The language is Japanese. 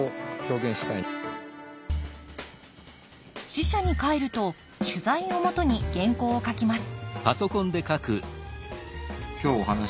支社に帰ると取材を基に原稿を書きます